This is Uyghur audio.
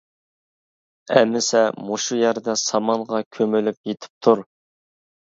-ئەمىسە، مۇشۇ يەردە سامانغا كۆمۈلۈپ يېتىپ تۇر.